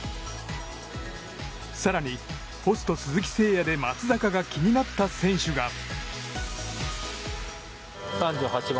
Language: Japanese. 更に、ポスト鈴木誠也で松坂が気になった選手が。